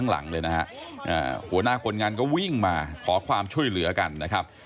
หลังเลยนะฮะหัวหน้าคนงานก็วิ่งมาขอความช่วยเหลือกันนะครับ